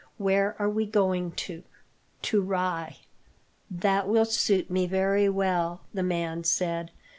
"Where are we going to?" "To Rye." "That will suit me very well," the man said.